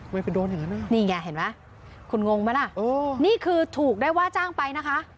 ว่าจ้างเห็นไหมคุณงงไหมล่ะนี่คือถูกได้ว่าจ้างไปนะคะ